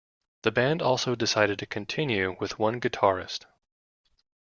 The band also decided to continue with one guitarist.